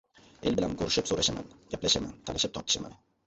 El bilan ko‘rishib-so‘rashaman, gaplashaman, talashib-tortishaman